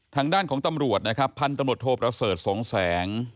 ทางด้านของตำรวจนะครับพันธุ์ตำรวจโทประเสริฐสองแสง